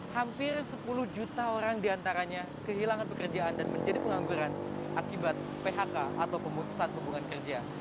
hampir sepuluh juta orang diantaranya kehilangan pekerjaan dan menjadi pengangguran akibat phk atau pemutusan hubungan kerja